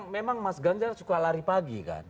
memang mas ganjar suka lari pagi kan